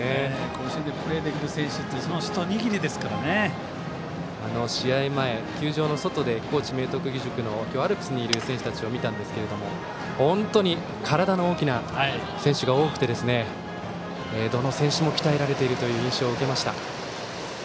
甲子園でプレーできる選手は試合前、球場の外で高知・明徳義塾の今日、アルプスにいる選手たちを見たんですが本当に体の大きな選手が多くてどの選手も鍛えられているという印象を受けました。